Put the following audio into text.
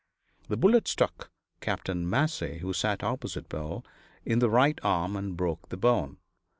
The bullet struck Capt. Massey, who sat opposite Bill, in the right arm and broke the bone.